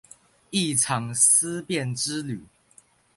一場思辨之旅